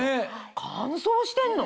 乾燥してんの？